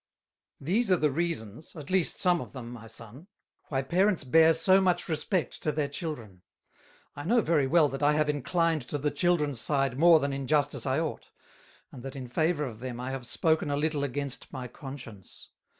"These are the Reasons, at least some of them, my Son, why Parents bear so much respect to their Children: I know very well that I have inclined to the Childrens side more than in justice I ought; and that in favour of them, I have spoken a little against my Conscience.